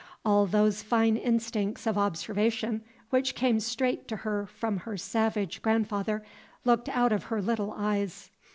All those fine instincts of observation which came straight to her from her savage grandfather looked out of her little eyes.